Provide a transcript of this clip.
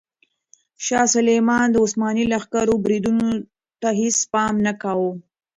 شاه سلیمان د عثماني لښکرو بریدونو ته هیڅ پام نه کاوه.